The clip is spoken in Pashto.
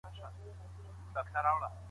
په ژوند کي به مو د بریا نښي تلپاتي وي.